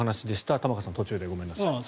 玉川さん、途中でごめんなさい。